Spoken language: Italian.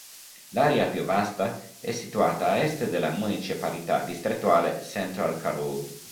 L'area più vasta è situata a est della municipalità distrettuale Central Karoo.